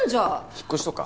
引っ越しとか？